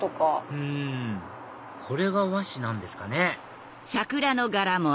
うんこれが和紙なんですかね